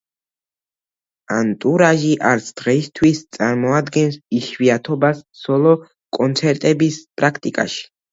ანტურაჟი არც დღეისთვის წარმოადგენს იშვიათობას სოლო კონცერტების პრაქტიკაში.